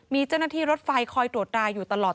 มีเจ้าหน้าที่รถไฟคอยตรวจราอยู่ตลอด